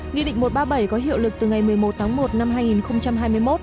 nghị định một trăm ba mươi bảy có hiệu lực từ ngày một mươi một tháng một năm hai nghìn hai mươi một